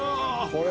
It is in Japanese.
これ。